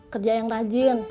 kerja yang rajin